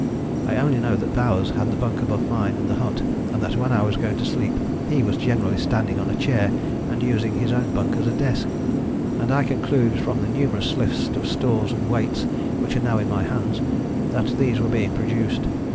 I only know that Bowers had the bunk above mine in the hut, and that when I was going to sleep he was generally standing on a chair and using his own bunk as a desk, and I conclude from the numerous lists of stores and weights which are now in my hands that these were being produced.